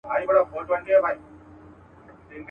ډلي وینم د مرغیو پورته کیږي.